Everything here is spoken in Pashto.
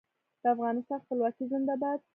د افغانستان خپلواکي زنده باد.